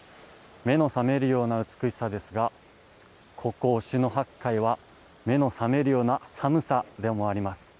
目の覚めるような美しさですがここ忍野八海は目の覚めるような寒さでもあります。